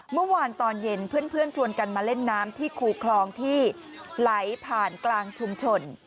เมื่อวานตอนเย็นเพื่อนชวนกันมาเล่นน้ำที่คูคลองที่ไหลผ่านกลางชุมชน